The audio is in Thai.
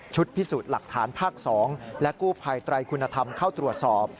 พิสูจน์หลักฐานภาค๒และกู้ภัยไตรคุณธรรมเข้าตรวจสอบ